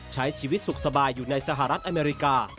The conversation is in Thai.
ใช้ชีวิตสุขสบายอยู่ในสหรัฐอเมริกา